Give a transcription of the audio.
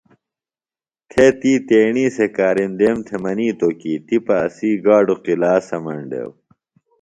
تھے تی تیݨی سےۡ کارِندیم تھےۡ منِیتوۡ کی تِپہ اسی گاڈوۡ قِلا سمینڈیوۡ